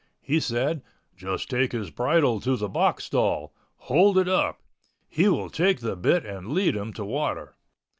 He said, "Just take his bridle to the box stall. Hold it up. He will take the bit and lead him to water."